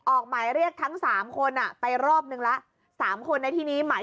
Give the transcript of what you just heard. ออกหมายเรียกทั้ง๓คนไปรอบนึงละ๓คนในที่นี้หมาย